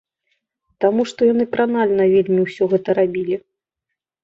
Таму што яны кранальна вельмі ўсё гэта рабілі.